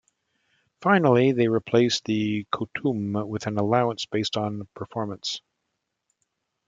Finally, they replaced the "coutume" with an allowance based on performance.